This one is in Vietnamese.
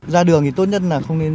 ra đường thì tốt nhất là không nên